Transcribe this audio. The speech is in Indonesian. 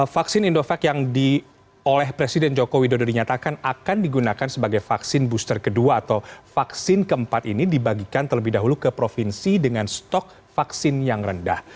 vaksin indovac yang oleh presiden joko widodo dinyatakan akan digunakan sebagai vaksin booster kedua atau vaksin keempat ini dibagikan terlebih dahulu ke provinsi dengan stok vaksin yang rendah